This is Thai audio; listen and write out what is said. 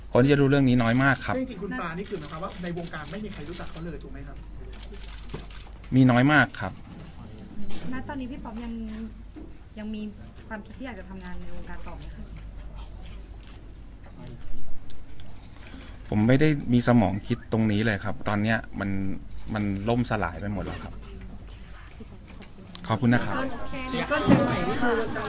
คนที่จะรู้เรื่องนี้น้อยมากครับจริงจริงคุณปลานี่คือนะคะว่าในวงการไม่มีใครรู้จักเขาเลยถูกไหมครับมีน้อยมากครับ